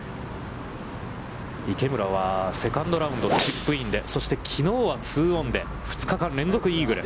池村はセカンドラウンド、チップインでそして、きのうはツーオンで、２日間連続でイーグル。